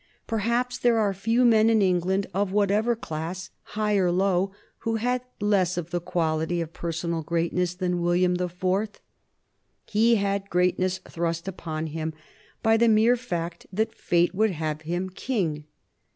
Perhaps there were few men in England of whatever class, high or low, who had less of the quality of personal greatness than William the Fourth. He had greatness thrust upon him by the mere fact that fate would have him King.